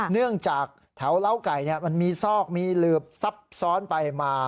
เนื่องจากแถวเล้าไก่มันมีซอกมีหลืบซับซ้อนไปมา